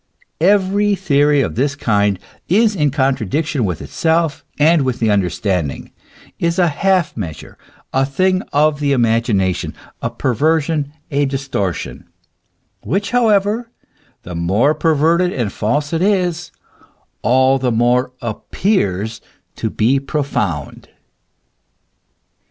Every theory of this kind is in contradiction with itself and with the understanding, is a half measure a thing of the imagination a perversion, a distortion ; w r hich, however, the more perverted and false it is, all the more appears to be pro found.